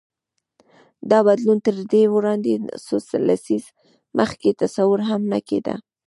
دا بدلون تر دې وړاندې څو لسیزې مخکې تصور هم نه کېده.